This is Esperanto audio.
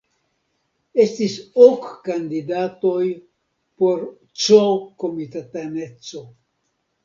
Estis ok kandidatoj por C-komitataneco.